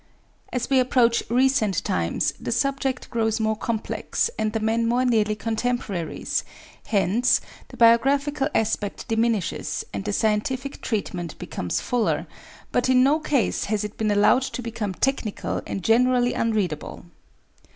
As we approach recent times the subject grows more complex, and the men more nearly contemporaries; hence the biographical aspect diminishes and the scientific treatment becomes fuller, but in no case has it been allowed to become technical and generally unreadable.